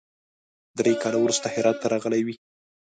درې کاله وروسته هرات راغلی وي.